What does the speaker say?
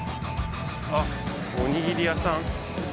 あっおにぎり屋さん。